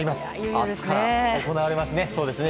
明日から行われますね。